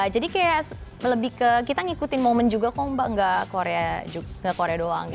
jadi kayak lebih ke kita ngikutin momen juga kok mbak gak korea doang gitu